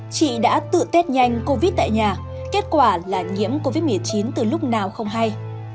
chị đã tự test nhanh covid tại nhà kết quả là nhiễm covid một mươi chín từ lúc nào không hay